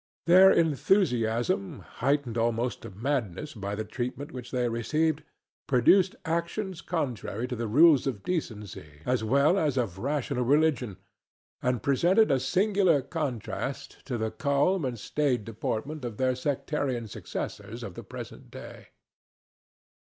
Their enthusiasm, heightened almost to madness by the treatment which they received, produced actions contrary to the rules of decency as well as of rational religion, and presented a singular contrast to the calm and staid deportment of their sectarian successors of the present day.